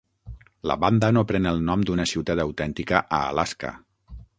La banda no pren el nom d'una ciutat autèntica a Alaska.